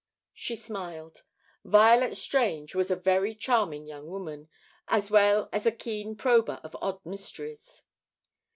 She smiled. Violet Strange was a very charming young woman, as well as a keen prober of odd mysteries.